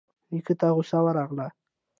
نيکه ته غوسه ورغله.